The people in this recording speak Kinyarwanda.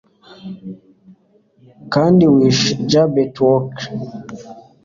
Kandi wishe Jabberwock